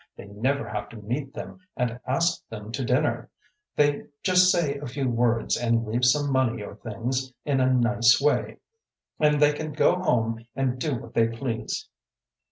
They never have to meet them and ask them to dinner. They just say a few words and leave some money or things in a nice way, and they can go home and do what they please."